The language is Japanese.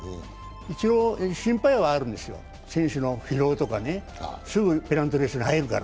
一応心配はあるんですよ、選手の疲労とかね、すぐペナントレースに入るから。